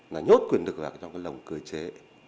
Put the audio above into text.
là nhốt quyền lực lại trong cái lồng cơ chế